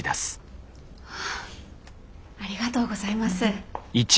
ありがとうございます。